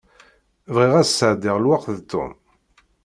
Bɣiɣ ad sεeddiɣ lweqt d Tom.